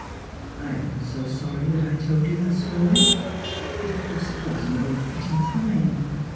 " I am so sorry that I told you that story. Of course it was JO fitting time.